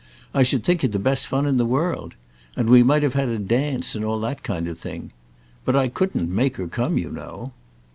I should think it the best fun in the world. And we might have had a dance, and all that kind of thing. But I couldn't make her come, you know."